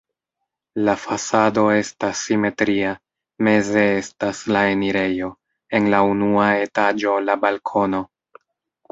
La fasado estas simetria, meze estas la enirejo, en la unua etaĝo la balkono.